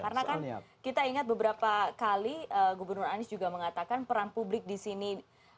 karena kan kita ingat beberapa kali gubernur anies juga mengatakan peran publik di sini